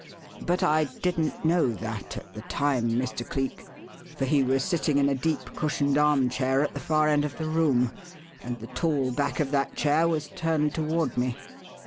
But I didn't know that at the time, Mr. Cleek, for he was sitting in a deep, cushioned armchair at the far end of the room, and the tall back of that chair was turned toward me.